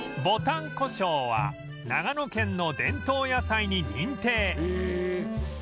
ぼたんこしょうは長野県の伝統野菜に認定